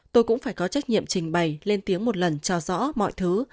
tôi cũng phải có trách nhiệm trình bày lên tiếng một lần cho rõ mọi thứ